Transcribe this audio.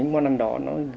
nó giúp cho những người